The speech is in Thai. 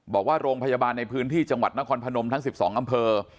บอกว่าโรงพยาบาลในพื้นที่จังหวัดนครพนมทั้ง๑๒อำเภอ